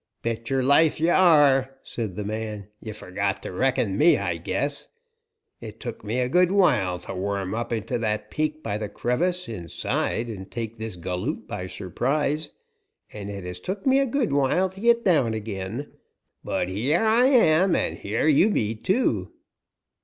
"Bet yer life ye are," said the man. "Ye forgot to reckon me, I guess. Et took me a good while to worm up into that peak by the crevice inside and take this galoot by surprise, and et has took me a good while to git down again, but hyer I am and hyer you be, too."